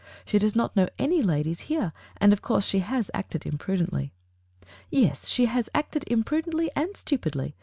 She does not know any ladies here, and of course she has acted imprudently." "Yes, she has acted imprudently and stupidly.